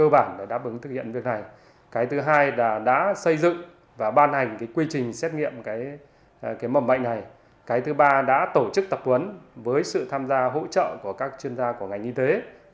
bằng kỹ thuật realtime